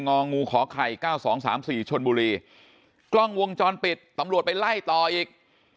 งองูขอไข่๙๒๓๔ชนบุรีกล้องวงจรปิดตำรวจไปไล่ต่ออีก